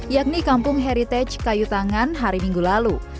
yakni kampung heritage kayu tangan hari minggu lalu